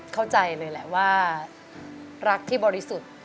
เข้าใจเลยแหละว่ารักที่บริสุทธิ์